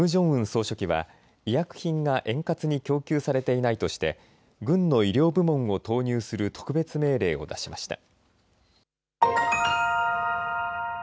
総書記は医薬品が円滑に供給されていないとして軍の医療部門を投入する特別命令を出しました。